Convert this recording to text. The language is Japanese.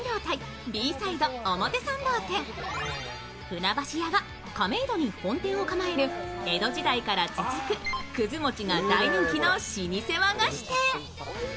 船橋屋が亀戸に本店を構える江戸時代から続くくず餅が大人気の老舗和菓子店。